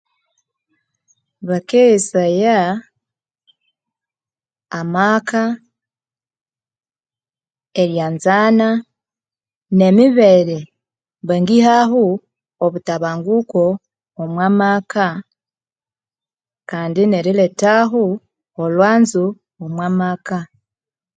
Bakeghesaya amaka eryanzana nemibere bangihaho obutabanguko omwa maka kandi nerilethaho olhwanzo omwa maka.